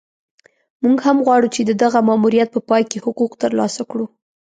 موږ هم غواړو چې د دغه ماموریت په پای کې حقوق ترلاسه کړو.